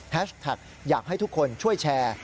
แท็กอยากให้ทุกคนช่วยแชร์